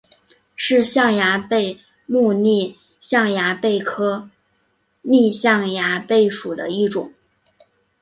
是象牙贝目丽象牙贝科丽象牙贝属的一种。